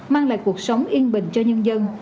mang lại cuộc sống yên bình cho nhân dân